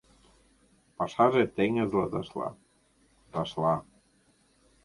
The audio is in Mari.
Пашаже теҥызла ташла, ташла.